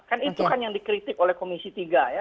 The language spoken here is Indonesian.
kan itu kan yang dikritik oleh komisi tiga ya